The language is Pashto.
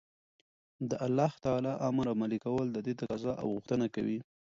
نو دالله تعالى امر عملي كول ددې تقاضا او غوښتنه كوي